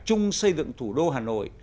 trung xây dựng thủ đô hà nội